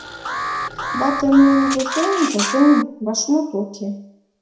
Ватемлан возем, возем — вашмут уке.